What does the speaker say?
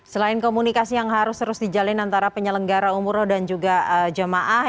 selain komunikasi yang harus terus dijalin antara penyelenggara umroh dan juga jemaah